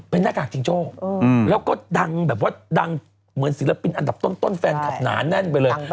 เป็นหน้ากากจิงโจ้แล้วก็ดังแบบว่าดังเหมือนศิลปินอันดับต้นแฟนคลับหนาแน่นไปเลย